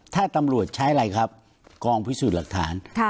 ถ้าตำรวจใช้อะไรครับกองพิสูจน์หลักฐาน